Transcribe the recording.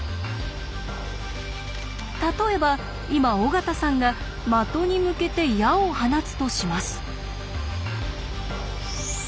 例えば今尾形さんが的に向けて矢を放つとします。